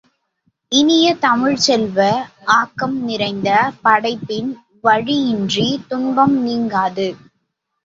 இனிய தமிழ்ச் செல்வ, ஆக்கம் நிறைந்த படைப்பின் வழியின்றித் துன்பம் நீங்காது.